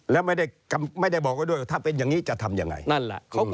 แล้วไม่ได้บอกไว้ด้วยว่าถ้าเป็นอย่างนี้จะทำอย่างไร